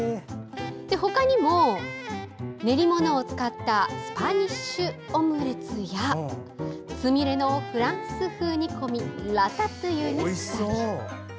他にも、練り物を使ったスパニッシュオムレツやつみれのフランス風煮込みラタトゥイユにしたり。